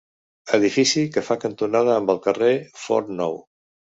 Edifici que fa cantonada amb el carrer Forn Nou.